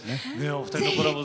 お二人のコラボ